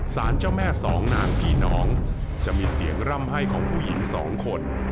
สารเจ้าแม่สองนางผีน้องจะมีเสียงร่ำไห้ของผู้หญิงสองคน